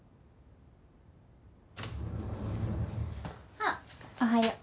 ああおはよう。